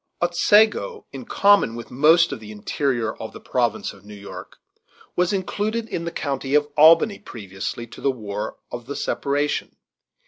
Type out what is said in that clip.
Otsego, in common with most of the interior of the province of New York, was included in the county of Albany previously to the war of the separation.